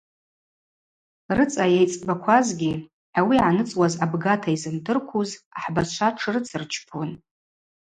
Рыцӏа йайцӏбаквазгьи, ауи йгӏаныцӏуаз абгата йзымдырквуз, ахӏбачва тшрыцырчпун.